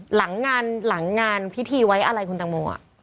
หลังงานพิธีไว้อะไรคุณตังโม